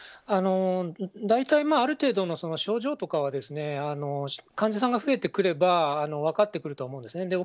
大体ある程度の症状とかは患者さんが増えてくれば分かってくるとは思うんですね。